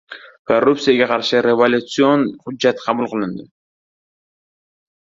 Korrupsiyaga qarshi revolyusion hujjat qabul qilinadi